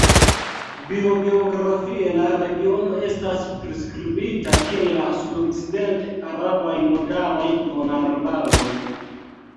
Biogeografie la regiono estas priskribita kiel la sudokcident-arabaj montaraj duonarbaroj.